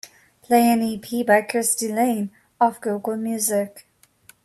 Play an ep by Cristy Lane off google music.